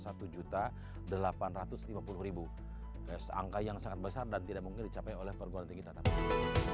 angka yang sangat besar dan tidak mungkin dicapai oleh perguruan tinggi tatap muka